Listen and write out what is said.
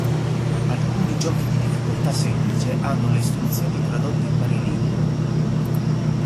Alcuni giochi di difficoltà semplice hanno le istruzioni tradotte in varie lingue.